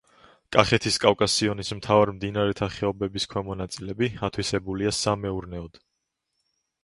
კახეთის კავკასიონის მთავარ მდინარეთა ხეობების ქვემო ნაწილები ათვისებულია სამეურნეოდ.